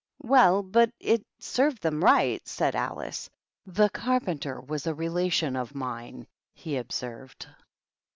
"Well, but it served them right," said Alice. " The Carpenter was a relation of mine," he observed.